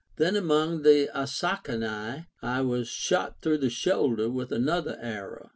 Then among the Assacani I Avas shot through the shoulder with another arrow.